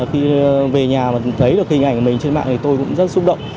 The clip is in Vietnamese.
khi về nhà mà thấy được hình ảnh của mình trên mạng thì tôi cũng rất xúc động